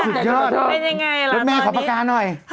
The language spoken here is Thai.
สุดยอดครับเป็นอย่างไรล่ะตอนนี้น้องแม่ขอประการหน่อย